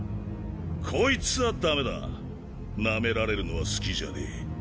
こいつはダメだナメられるのは好きじゃねえ。